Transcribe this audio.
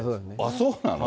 そうなの？